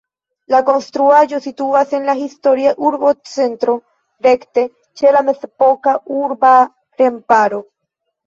La konstruaĵo situas en la historia urbocentro, rekte ĉe la mezepoka urba remparo.